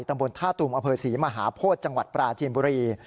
ตธาตุมอเผิษีมหาโพธิ์จังหวัดปราชินบุรี